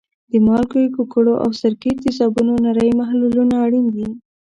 د مالګې، ګوګړو او سرکې تیزابونو نری محلولونه اړین دي.